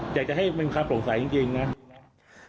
อยากจะให้มีความโปร่งใสจริงนะครับ